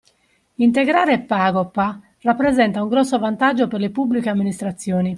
Integrare PagoPA rappresenta un grosso vantaggio per le Pubbliche Amministrazioni